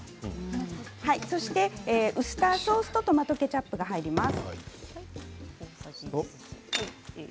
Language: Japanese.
そして、ウスターソースとトマトケチャップが入ります。